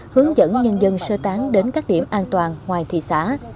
hướng dẫn nhân dân sơ tán đến các điểm an toàn ngoài thị xã